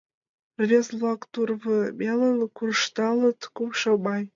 Рвезе-влак тувырмелын куржталыт...» «Кумшо май.